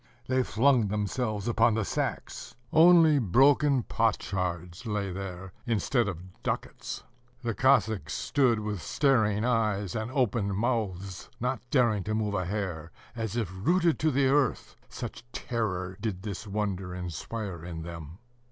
They flung themselves upon the sacks: only broken potsherds lay there instead of ducats. The Cossacks stood with staring eyes and open mouths, not daring to move a hair, as if rooted to the earth, such terror did this wonder inspire in them.